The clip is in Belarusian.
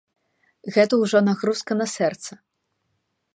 Гэта ўжо нагрузка на сэрца.